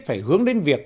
phải hướng đến việc